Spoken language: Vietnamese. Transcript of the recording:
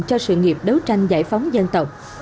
cho sự nghiệp đấu tranh giải phóng dân tộc